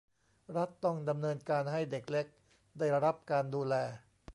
รัฐต้องดำเนินการให้เด็กเล็กได้รับการดูแล